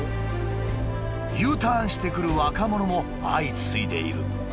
Ｕターンしてくる若者も相次いでいる。